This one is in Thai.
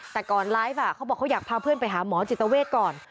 แต่ก่อนไลฟ์เขาบอกเขาอยากพาเพื่อนไปหาหมอจิตเวทก่อน